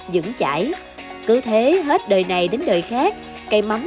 dững chải cứ thế hết đời này đến đời khác cây mắm